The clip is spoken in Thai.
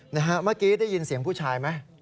เมื่อกี้ได้ยินเสียงผู้ชายไหม